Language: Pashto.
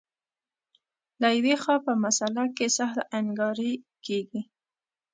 له یوې خوا په مسأله کې سهل انګاري کېږي.